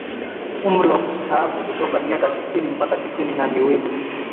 umri wa kustaafu kutoka miaka sitini mpaka sitini na miwili